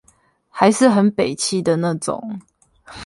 還是很北七的那種